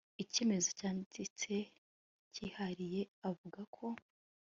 icyemezo cyanditse cyihariye avuga ko